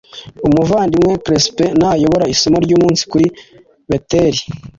Umuvandimwe Crisp n ayobora isomo ry umunsi kuri Beteli